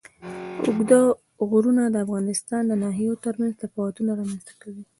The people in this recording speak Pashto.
اوږده غرونه د افغانستان د ناحیو ترمنځ تفاوتونه رامنځ ته کوي.